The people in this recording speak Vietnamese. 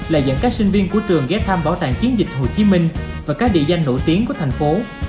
là dẫn các sinh viên của trường ghé thăm bảo tàng chiến dịch hồ chí minh và các địa danh nổi tiếng của thành phố